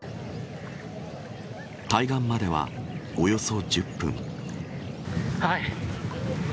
対岸までは、およそ１０分。